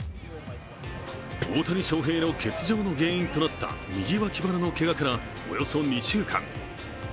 大谷翔平の欠場の原因となった右脇腹のけがからおよそ２週間。